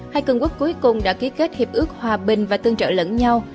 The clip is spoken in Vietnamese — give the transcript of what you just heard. hai cường quốc cuối cùng đã ký kết hiệp ước hòa bình và tương trợ lẫn nhau